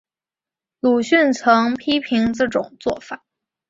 鲁迅曾批评这种做法。